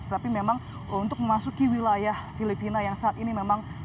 tapi memang untuk memasuki wilayah filipina yang saat ini memang